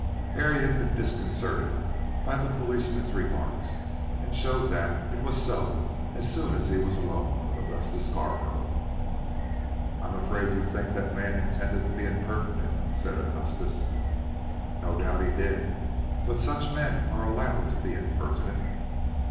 Harry had been disconcerted by the policeman's remarks, and showed that it was so as soon as he was alone with Augustus Scarborough. "I'm afraid you think the man intended to be impertinent," said Augustus. "No doubt he did, but such men are allowed to be impertinent."